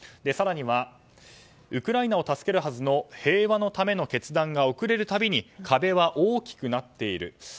更にはウクライナを助けるはずの平和のための決断が遅れる度に壁は大きくなっている。